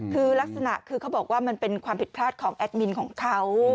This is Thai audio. คือลักษณะคือเขาบอกว่ามันเป็นความผิดพลาดของแอดมินของเขา